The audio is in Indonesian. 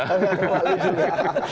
bukan malu juga